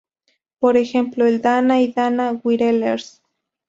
Por ejemplo el Dana, y Dana Wireless.